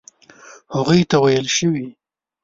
هغوی ته ویل شوي.